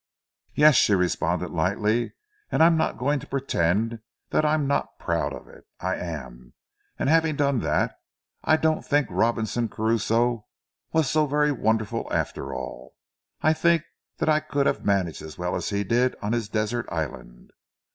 "Yes," she responded lightly, "and I'm not going to pretend that I'm not proud of it. I am, and having done that, I don't think Robinson Crusoe was so very wonderful after all! I think that I could have managed as well as he did on his desert island.